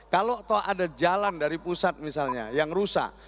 kalau ada jalan dari pusat misalnya yang rusak